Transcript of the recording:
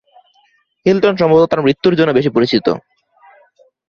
Hilton সম্ভবত তার মৃত্যুর জন্য বেশি পরিচিত।